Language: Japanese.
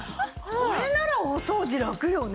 これならお掃除ラクよね。